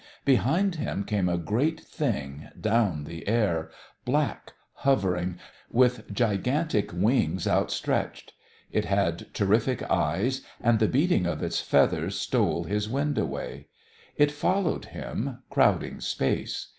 Behind him came a great thing down the air, black, hovering, with gigantic wings outstretched. It had terrific eyes, and the beating of its feathers stole his wind away. It followed him, crowding space.